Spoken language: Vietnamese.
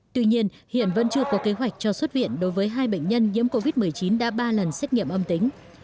tuy nhiên hiện vẫn chưa có kế hoạch cho xuất viện đối với hai bệnh nhân nhiễm covid một mươi chín đã ba lần xét nghiệm âm tính